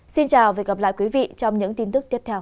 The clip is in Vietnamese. xin chào và hẹn gặp lại trong những tin tức tiếp theo